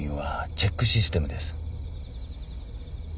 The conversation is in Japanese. チェックシステム？